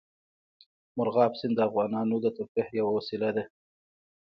مورغاب سیند د افغانانو د تفریح یوه وسیله ده.